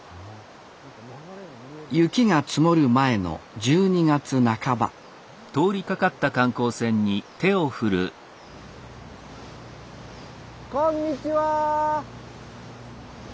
雪が積もる前の１２月半ばこんにちは！